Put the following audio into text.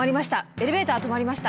エレベーター止まりました。